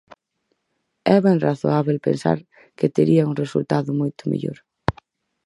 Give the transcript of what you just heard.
É ben razoábel pensar que terían un resultado moito mellor.